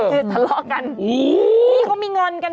คือทะเลาะกัน